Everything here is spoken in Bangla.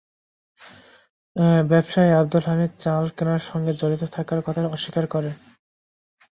ব্যবসায়ী আবদুল হামিদ চাল কেনার সঙ্গে জড়িত থাকার কথা অস্বীকার করেন।